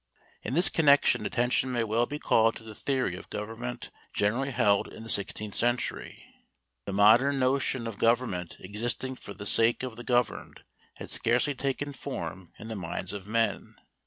In this connection attention may well be called to the theory of government generally held in the sixteenth century. The modern notion of government existing for the sake of the governed had scarcely taken form in the minds of men.